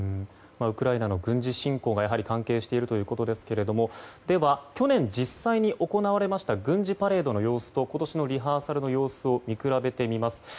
ウクライナの軍事侵攻が関係しているということですが去年、実際に行われました軍事パレードの様子と今年のリハーサルの様子を見比べてみます。